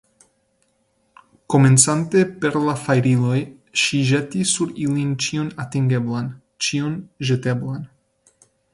Komencante per la fajriloj, ŝi ĵetis sur ilin ĉion atingeblan, ĉion ĵeteblan.